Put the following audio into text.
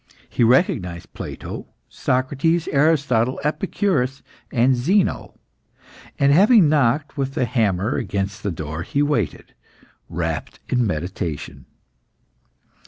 He recognised Plato, Socrates, Aristotle, Epicurus, and Zeno, and having knocked with the hammer against the door, he waited, wrapped in meditation.